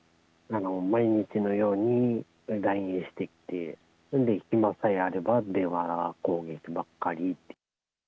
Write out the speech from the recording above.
毎日のようにＬＩＮＥしてきて、ほんで暇さえあれば電話攻撃ばっかりって。